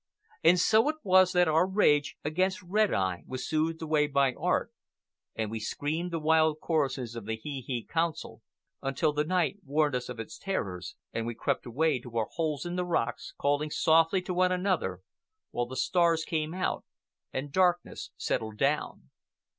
And so it was that our rage against Red Eye was soothed away by art, and we screamed the wild choruses of the hee hee council until the night warned us of its terrors, and we crept away to our holes in the rocks, calling softly to one another, while the stars came out and darkness settled down.